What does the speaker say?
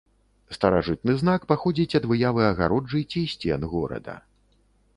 Старажытны знак паходзіць ад выявы агароджы ці сцен горада.